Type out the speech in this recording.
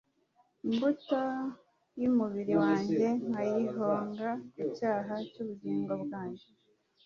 imbuto y'umubiri wanjye nkayihonga ku cyaha cy'ubugingo bwanjye?»